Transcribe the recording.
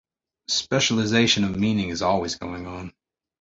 Specialization of meaning is always going on.